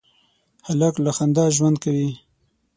هلک له خندا ژوند کوي.